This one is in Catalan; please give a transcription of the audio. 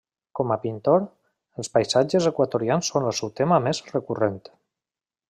Com a pintor, els paisatges equatorians són el seu tema més recurrent.